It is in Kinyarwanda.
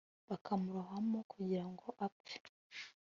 bakamurohamo kugira ngo apfe